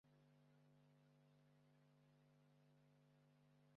uburyo butanyuze mu kumutega amatwi.